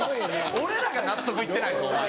俺らが納得行ってないです。